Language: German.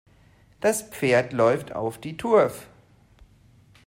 Das Pferd läuft auf die Turf.